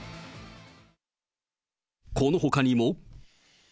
このほかにも。